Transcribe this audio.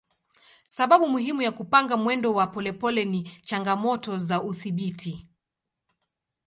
Sababu muhimu ya kupanga mwendo wa polepole ni changamoto za udhibiti.